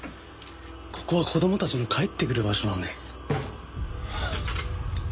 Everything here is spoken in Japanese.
ここは子供たちの帰ってくる場所なんです。